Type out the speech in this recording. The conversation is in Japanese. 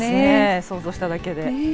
想像しただけで。